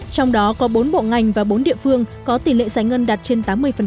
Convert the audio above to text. trong đó có bốn bộ ngành và bốn địa phương có tỷ lệ giải ngân đạt trên tám mươi